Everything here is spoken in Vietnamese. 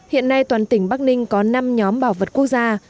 hiện nay toàn tỉnh bắc ninh có năm nhóm bảo vật quốc gia